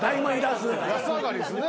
安上がりですよね。